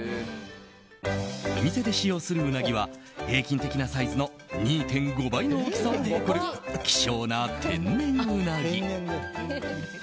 お店で使用するウナギは平均的なサイズの２．５倍の大きさを誇る希少な天然ウナギ。